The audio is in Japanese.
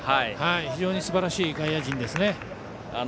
非常にすばらしい外野陣ですね。